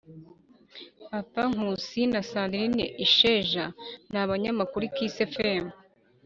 Arthur Nkusi na Sandrine Isheja nabanyamakuru kuri kiss fm